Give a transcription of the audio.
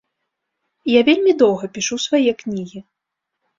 Я вельмі доўга пішу свае кнігі.